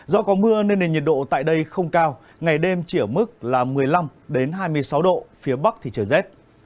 do có mưa nên nền nhiệt độ tại đây không cao ngày đêm chỉ ở mức một mươi năm hai mươi sáu độ phía bắc thì trời rét